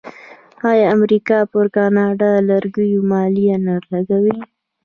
آیا امریکا پر کاناډایی لرګیو مالیه نه لګوي؟